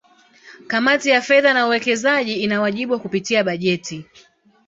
Kamati ya Fedha na Uwekezaji ina wajibu wa kupitia bajeti